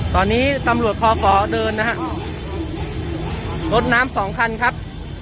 ตอนนี้ตำรวจคอขอเดินนะฮะรถน้ำสองคันครับ